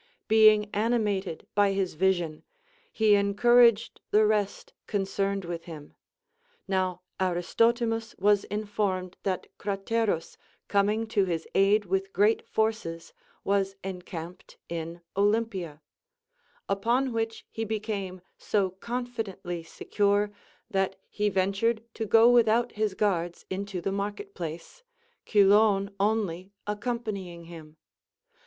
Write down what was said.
Being animated by his vision, he encouraged the rest concerned with him. i^ow Aristotimus was informed that Craterus, coming to his aid with great forces, was encamped in Olympia ; upon which he became so confidently secure, that he ventured to go without his guards into the market place, Cylon only ac companying him.